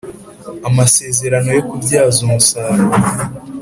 Amasezerano yo kubyaza umusaruro